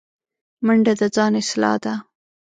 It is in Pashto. منډه د ځان اصلاح ده